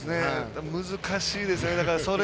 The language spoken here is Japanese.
難しいですよね。